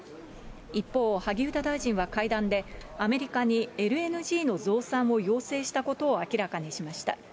一方、萩生田大臣は会談で、アメリカにＬＮＧの増産を要請したことを明らかにしました。